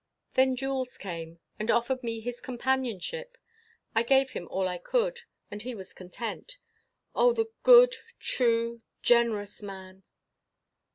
"Then Jules came, and offered me his companionship. I gave him all I could, and he was content. Oh! the good, true, generous man!"